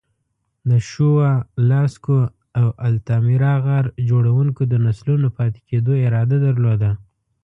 د شووه، لاسکو او التامیرا غار جوړونکو د نسلونو پاتې کېدو اراده درلوده.